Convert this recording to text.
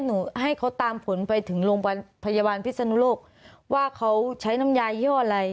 หนูให้เขาตามผลไปถึงโรงพยาบาลพิศนุโลกว่าเขาใช้น้ำยายย่ออะไร